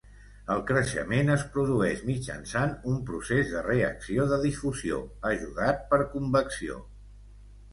El creixement es produeix mitjançant un procés de reacció de difusió, ajudat per convecció.